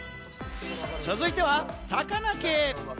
続いては魚系。